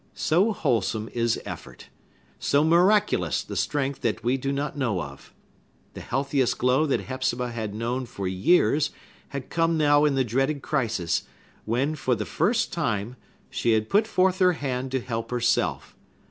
So wholesome is effort! So miraculous the strength that we do not know of! The healthiest glow that Hepzibah had known for years had come now in the dreaded crisis, when, for the first time, she had put forth her hand to help herself.